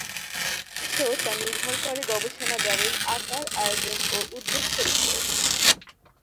অবশ্য তা নির্ভর করে গবেষণাগারের আকার, আয়তন ও উদ্দেশ্যের উপর।